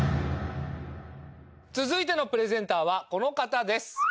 続いてのプレゼンターはこの方です。